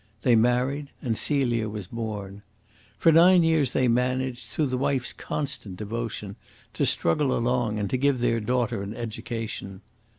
They married, and Celia was born. For nine years they managed, through the wife's constant devotion, to struggle along and to give their daughter an education.